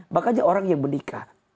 makanya orang yang menikah